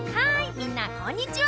みんなこんにちは！